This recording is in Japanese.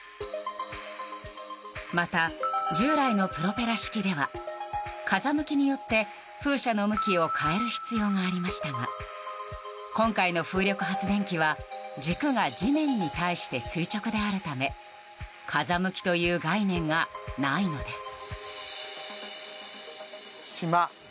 また、従来のプロペラ式では風向きによって風車の向きを変える必要がありましたが今回の風力発電機は軸が地面に対して垂直であるため風向きという概念がないのです。